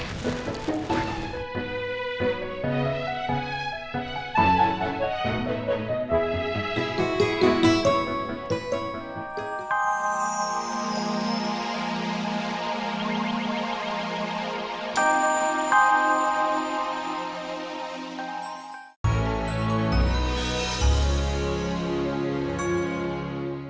terima kasih ya